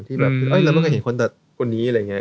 ช่วยคนเด็กตัดคนนี้คนนั้น